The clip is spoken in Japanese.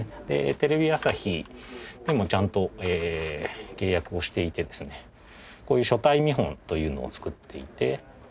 テレビ朝日でもちゃんと契約をしていてですねこういう書体見本というのを作っていて。